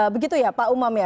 begitu ya pak umam ya